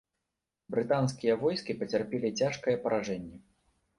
Брытанскія войскі пацярпелі цяжкае паражэнне.